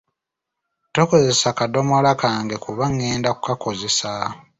Tokozesa kadomola kange kuba ngenda kukakozesa.